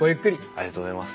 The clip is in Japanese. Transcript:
ありがとうございます。